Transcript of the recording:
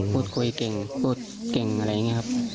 พูดคุยเก่งพูดเก่งอะไรอย่างนี้ครับ